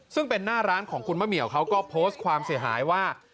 ซึ่งเป็นหน้าร้านของคุณมะเหมียวเขาก็โพสต์ความเสียหายว่า